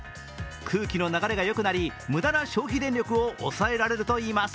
空気の流れがよくなり無駄な消費電力を抑えられるといいます。